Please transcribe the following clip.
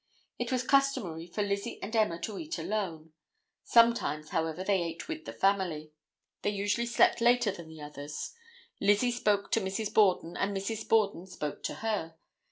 It was customary for Lizzie and Emma to eat alone; sometimes, however, they ate with the family. They usually slept later than the others. Lizzie spoke to Mrs. Borden and Mrs. Borden spoke to her.